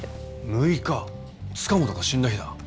６日塚本が死んだ日だ。